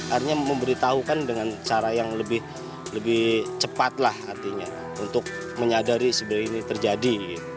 artinya memberitahukan dengan cara yang lebih cepat lah artinya untuk menyadari sebenarnya ini terjadi